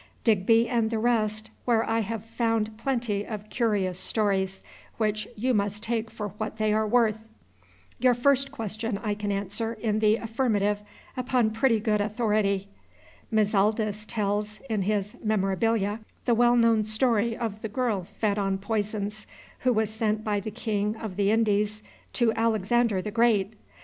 Digby and the rest, where I have found plenty of curious stories which you must take for what they are worth. Your first question I can answer in the affirmative upon pretty good authority. Mizaldus tells, in his "Memorabilia," the well known story of the girl fed on poisons, who was sent by the king of the Indies to Alexander the Great.